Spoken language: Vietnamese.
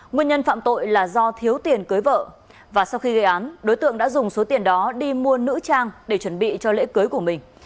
nguyên nhân phạm tội là do thiếu tiền cưới vợ và sau khi gây án đối tượng đã dùng số tiền đó đi mua nữ trang để chuẩn bị cho lễ cưới của mình